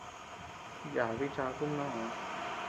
Yabi chaku mnoo.